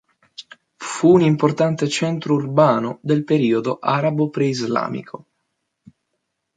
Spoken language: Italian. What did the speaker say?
Fu un importante centro urbano del periodo arabo preislamico.